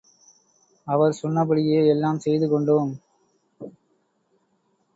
அவர் சொன்னபடியே எல்லாம் செய்து கொண்டோம்.